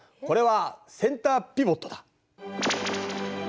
これはセンターピボットだ！